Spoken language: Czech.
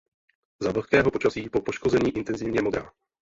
Za vlhkého počasí po poškození intenzivně modrá.